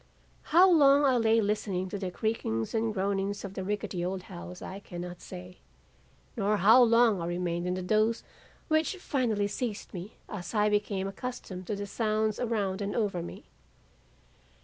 "How long I lay listening to the creakings and groanings of the rickety old house, I cannot say, nor how long I remained in the doze which finally seized me as I became accustomed to the sounds around and over me.